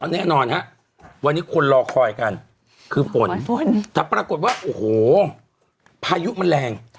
แน่นอนฮะวันนี้คนรอคอยกันคือฝนฝนแต่ปรากฏว่าโอ้โหพายุมันแรง